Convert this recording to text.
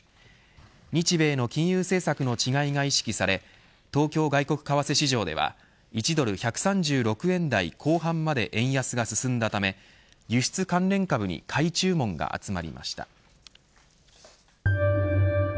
日米の金融政策の違いが意識され東京外国為替市場では１ドル１３６円台後半まで円安が進んだため輸出関連株に買い注文が集まりました。